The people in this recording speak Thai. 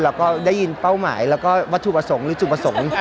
แล้วก็ได้ยินเป้าหมายแล้วก็วัตถุประสงค์